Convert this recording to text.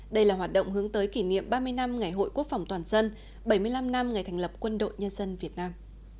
đây là hoạt động hướng tới kỷ niệm ba mươi năm ngày hội quốc phòng toàn dân bảy mươi năm năm ngày thành lập quân đội nhân dân việt nam